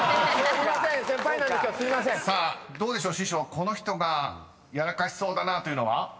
［この人がやらかしそうだなというのは？］